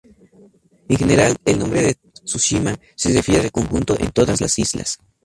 En general, el nombre de Tsushima se refiere al conjunto de todas las islas.